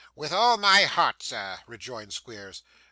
'With all my heart, sir,' rejoined Squeers.